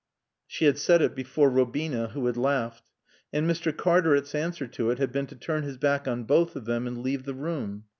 She had said it before Robina who had laughed. And Mr. Cartaret's answer to it had been to turn his back on both of them and leave the room.